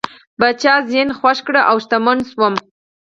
پاچا زما زین خوښ کړ او شتمن شوم.